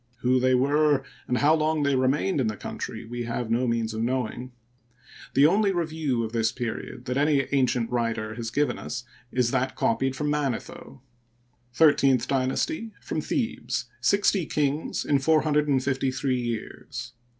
Who they were, and how long they remained in the country, we have no means of knowing. The only review of this period that any ancient writer has given us is that copied from Ma netho : XIII Dynasty : from Thebes, 60 kings in 453 years.